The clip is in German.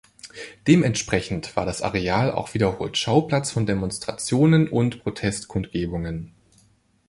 Dementsprechend war das Areal auch wiederholt Schauplatz von Demonstrationen und Protestkundgebungen.